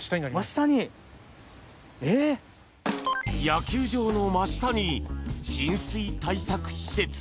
野球場の真下に浸水対策施設。